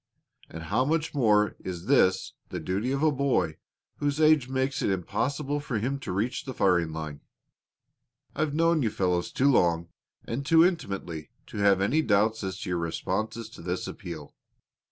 And how much more is this the duty of a boy whose age makes it impossible for him to reach the firing line. I've known you fellows too long and too intimately to have any doubts as to your responses to this appeal.